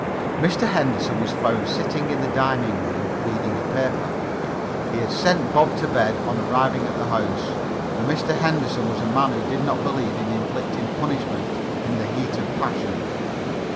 Mr. Henderson was found sitting in the dining room, reading a paper. He had sent Bob to bed on arriving at the house, for Mr. Henderson was a man who did not believe in inflicting punishment in the heat of passion.